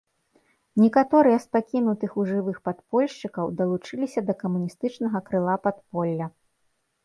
Некаторыя з пакінутых у жывых падпольшчыкаў далучыліся да камуністычнага крыла падполля.